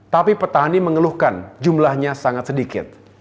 tapi petani mengeluhkan jumlahnya sangat sedikit